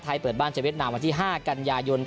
เปิดบ้านเจอเวียดนามวันที่๕กันยายน